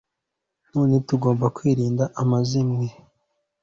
Nanone tugomba kwirinda amazimwe